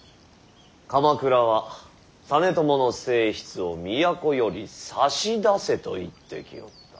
鎌倉は実朝の正室を都より差し出せと言ってきおった。